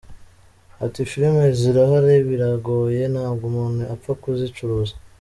Ati, “ Filime zirahari, biragoye ntabwo umuntu apfa kuzicuruza.